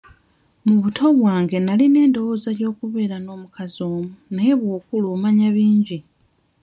Mu buto bwange nalina endowooza y'okubeera n'omukazi omu naye bw'okula omanya bingi.